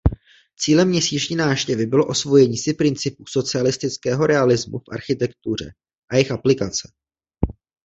Cílem měsíční návštěvy bylo osvojení si principů socialistického realismu v architektuře a jejich aplikace.